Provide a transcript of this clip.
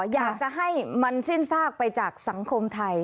อยากจะให้มันสิ้นซากไปจากสังคมไทย